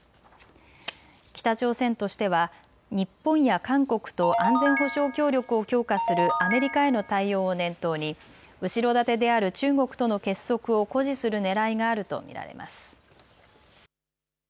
北朝鮮としては日本や韓国と安全保障協力を強化するアメリカへの対応を念頭に後ろ盾である中国との結束を誇示するねらいがあると見られます。